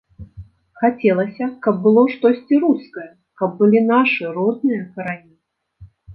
Хацелася, каб было штосьці рускае, каб былі нашы родныя карані.